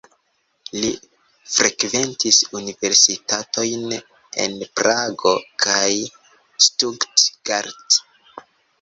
Li frekventis universitatojn en Prago kaj Stuttgart.